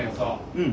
うん。